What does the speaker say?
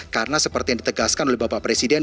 karena seperti yang ditegaskan oleh bapak presiden